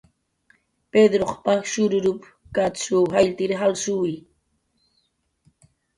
"Pedruq paj shururup"" katshuw jaylltir jalshuwi"